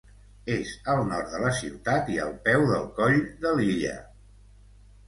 És al nord de la ciutat i al peu del Coll de Lilla.